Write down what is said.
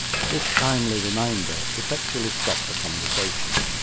This timely reminder effectually stopped the conversation.